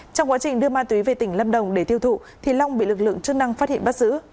trong quá trình đưa ma túy về tỉnh lâm đồng để tiêu thụ thì long bị lực lượng chức năng phát hiện bắt giữ